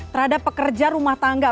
terhadap pekerja rumah tangga